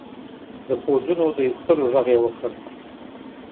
د پوځونو د ایستلو ږغ وکړ.